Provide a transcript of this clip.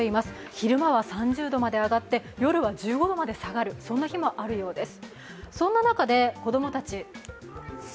昼間は３０度まで上がって、夜は１５度まで下がる日もあるそうです。